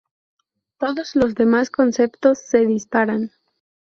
todos los demás conceptos se disparan